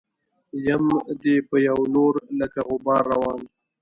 يم دې په يو لور لکه غبار روان